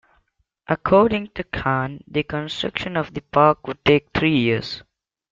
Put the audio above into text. According to Khan, the construction of the Park would take three years.